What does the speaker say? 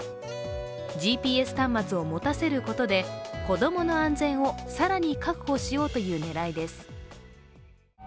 ＧＰＳ端末を持たせることで、子供の安全を更に確保しようという狙いです。